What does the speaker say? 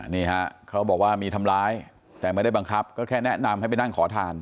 นี่ฮะเขาบอกว่ามีทำร้ายแต่ไม่ได้บังคับก็แค่แนะนำให้ไปนั่งขอทาน